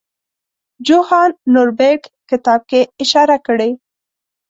جوهان نوربیرګ کتاب کې اشاره کړې.